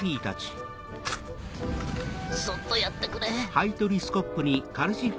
そっとやってくれ。